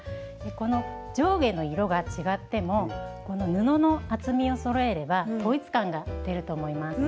この上下の色が違ってもこの布の厚みをそろえれば統一感が出ると思います。